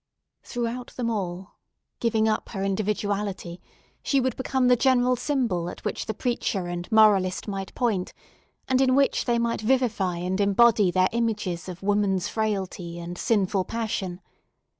Throughout them all, giving up her individuality, she would become the general symbol at which the preacher and moralist might point, and in which they might vivify and embody their images of woman's frailty and sinful passion.